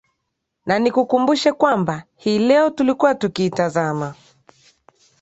na nikukumbushe kwamba hii leo tulikuwa tukiitazama